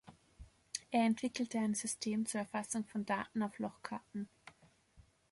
Er entwickelte ein System zur Erfassung von Daten auf Lochkarten.